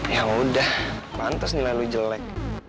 ya udah mantas nilai lo jelek